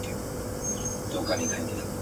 حرص او تمه او غرور سترګي ړندې کړي !.